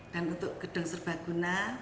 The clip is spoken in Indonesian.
dan untuk gedung serbaguna